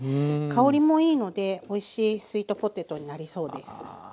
香りもいいのでおいしいスイートポテトになりそうです。